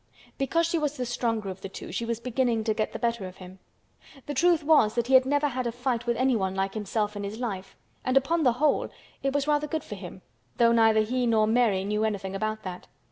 Because she was the stronger of the two she was beginning to get the better of him. The truth was that he had never had a fight with anyone like himself in his life and, upon the whole, it was rather good for him, though neither he nor Mary knew anything about that.